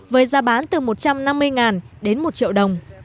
với giá bán từ một trăm năm mươi đến một triệu đồng